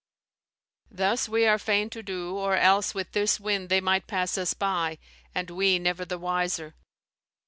Thus we are fain to do, or else with this wind they might pass us by, and we never the wiser.